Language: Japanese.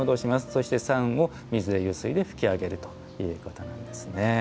そして酸を水でゆすいで拭き上げるということなんですね。